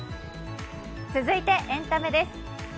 続いてエンタメです。